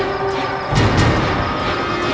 jangan bunuh saya